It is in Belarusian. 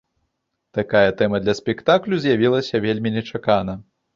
Такая тэма для спектаклю з'явілася вельмі нечакана.